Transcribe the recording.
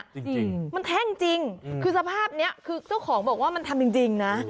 จริงจริงมันแท่งจริงคือสภาพเนี้ยคือเจ้าของบอกว่ามันทำจริงจริงนะ